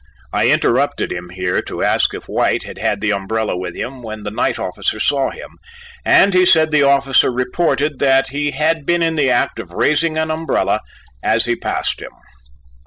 I interrupted him here to ask if White had had the umbrella with him when the night officer saw him, and he said the officer reported that he had been in the act of raising an umbrella as he passed him.